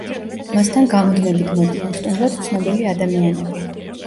მასთან გამუდმებით მოდიან სტუმრად ცნობილი ადამიანები.